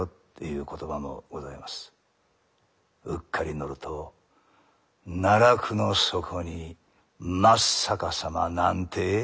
うっかり乗ると奈落の底に真っ逆さまなんてことにも。